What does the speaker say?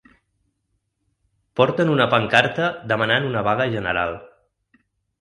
Porten una pancarta demanant una vaga general.